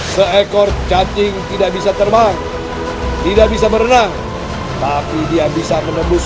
seekor cacing tidak bisa terbang tidak bisa berenang tapi dia bisa menembus